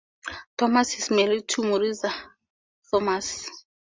Thomas is married to Maritza Thomas.